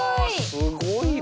すごいね。